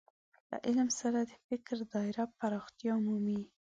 له علم سره د فکر دايره پراختیا مومي.